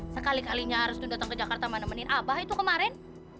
sekali kalinya harus datang ke jakarta menemenin abah itu kemarin